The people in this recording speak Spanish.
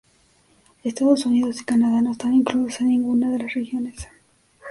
Estados Unidos y Canadá no están incluidos en ninguna de las regiones.